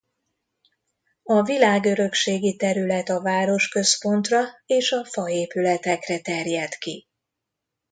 A világörökségi terület a városközpontra és a faépületekre terjed ki.